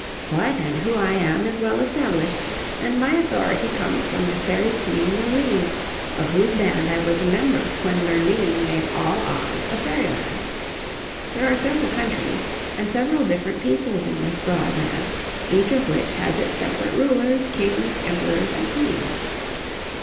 "What and who I am is well established, and my authority comes from the Fairy Queen Lurline, of whose band I was a member when Lurline made all Oz a Fairyland. There are several countries and several different peoples in this broad land, each of which has its separate rulers, Kings, Emperors and Queens.